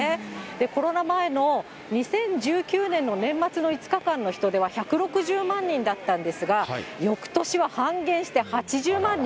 コロナ前の２０１９年の年末の５日間の人出は１６０万人だったんですが、よくとしは半減して、８０万人。